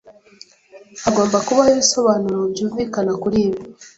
Hagomba kubaho ibisobanuro byumvikana kuri ibi.